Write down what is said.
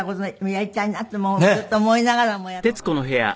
やりたいなってもうずっと思いながらもやった事ない。